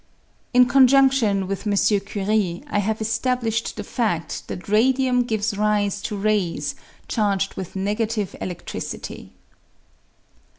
In conjundion with M. Curie, I have established the fad that radium gives rise to rays charged with negative eledricity.